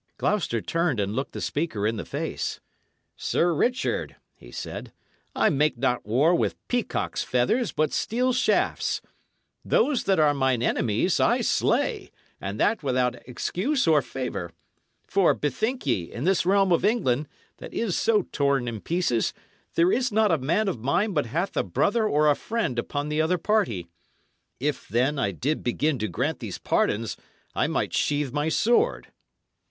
Gloucester turned and looked the speaker in the face. "Sir Richard," he said, "I make not war with peacock's feathers, but steel shafts. Those that are mine enemies I slay, and that without excuse or favour. For, bethink ye, in this realm of England, that is so torn in pieces, there is not a man of mine but hath a brother or a friend upon the other party. If, then, I did begin to grant these pardons, I might sheathe my sword."